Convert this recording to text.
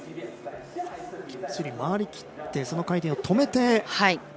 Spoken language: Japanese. きっちり回りきってその回転を止めて。